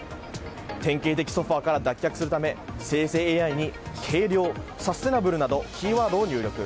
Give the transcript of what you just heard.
典型的ソファから脱却するため生成ＡＩに軽量、サステナブルなどキーワードを入力。